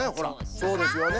そうですよね。